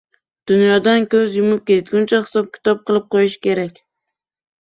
Dunyodan ko‘z yumib ketguncha hisob-kitob qilib qo‘yish kerak.